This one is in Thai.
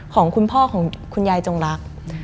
ของคุณพ่อของคุณยายจงรัก